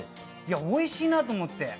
おいしいなと思って。